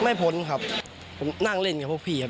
พ้นครับผมนั่งเล่นกับพวกพี่ครับ